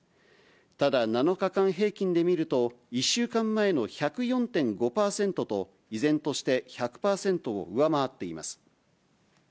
ただ、７日間平均で見ると、１週間前の１０４．５％と、依然として１００％を上回っています。